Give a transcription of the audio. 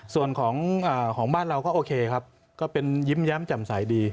ส่วนของบ้านเราก็โอเคครับก็เป็นยิ้มแย้มแจ่มใสดี